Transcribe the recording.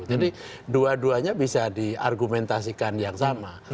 jadi dua duanya bisa diargumentasikan yang sama